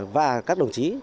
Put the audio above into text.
và các đồng chí